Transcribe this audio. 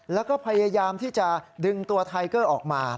แล้วก็พยายามที่จะดึงตัวไทเกอร์ออกมา